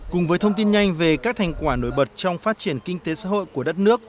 cùng với thông tin nhanh về các thành quả nổi bật trong phát triển kinh tế xã hội của đất nước